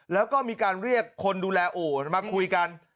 แล้วก็มีการเรียกคนดูแลโอมาคุยกัน